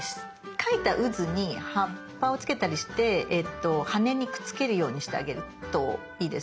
描いたうずに葉っぱをつけたりして羽にくっつけるようにしてあげるといいです。